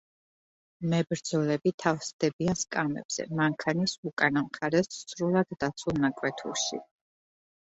მებრძოლები თავსდებიან სკამებზე, მანქანის უკანა მხარეს სრულად დაცულ ნაკვეთურში.